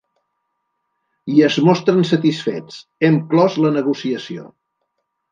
I es mostren satisfets: Hem clos la negociació.